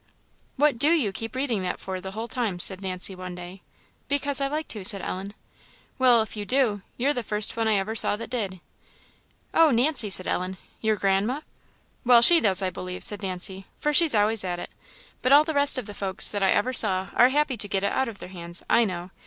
"What do you keep reading that for, the whole time?" said Nancy, one day. "Because I like to," said Ellen. "Well, if you do, you're the first one ever I saw that did." "Oh, Nancy!" said Ellen, "your grandma?" "Well, she does, I believe," said Nancy; "for she's always at it; but all the rest of the folks that ever I saw are happy to get it out of their hands, I know.